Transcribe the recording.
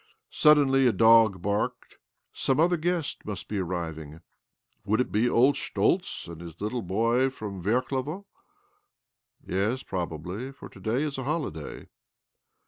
Suddenly a dog barked. Some other guest must be arriving ! Would it be old Schtoltz and his little boy from Verklevo ? iYes, probably, for to day is a holiday.